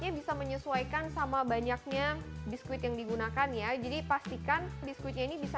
ini bisa menyesuaikan sama banyaknya biskuit yang digunakan ya jadi pastikan biskuitnya ini bisa